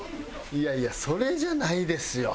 いやいやそれじゃないですよ。